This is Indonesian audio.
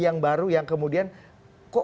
yang baru yang kemudian kok